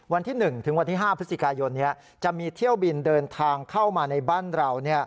วันที่๑ถึงวันที่๕พฤศจิกายนจะมีเที่ยวบินเดินทางเข้ามาในบ้านเรา